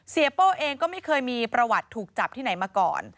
โป้เองก็ไม่เคยมีประวัติถูกจับที่ไหนมาก่อน